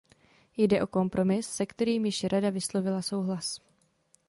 Jde o kompromis, se kterým již Rada vyslovila souhlas.